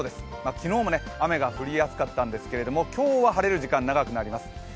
昨日も雨が降りやすかったんですけれども、今日は晴れる時間、長くなります。